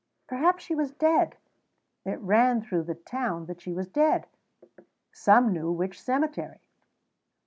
Perhaps she was dead? It ran through the town that she was dead. Some knew which cemetery.